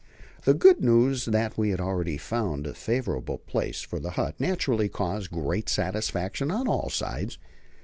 The good news that we had already found a favourable place for the hut naturally caused great satisfaction on all sides.